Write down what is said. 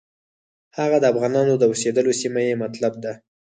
هغه د افغانانو د اوسېدلو سیمه یې مطلب ده.